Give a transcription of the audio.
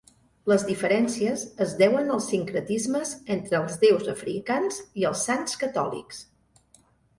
Les diferències es deuen als sincretismes entre els déus africans i els sants catòlics.